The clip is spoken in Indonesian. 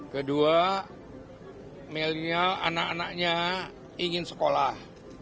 kedua milenial anak anaknya ingin sekolah